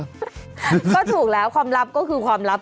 ก็ถูกแล้วความลับก็คือความลับ